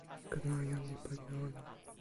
ken la, jan li pali e ona.